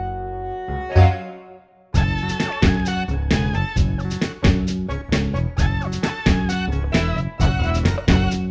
bisa dikawal di rumah ini